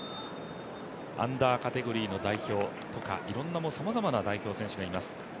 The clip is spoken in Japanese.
アンダーカテゴリーの代表とかさまざまな代表選手がいます。